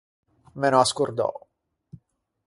Me n’ò ascordou.